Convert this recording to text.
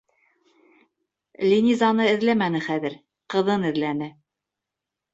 Линизаны эҙләмәне хәҙер, ҡыҙын эҙләне.